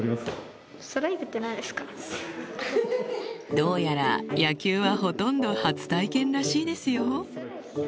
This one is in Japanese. どうやら野球はほとんど初体験らしいですよ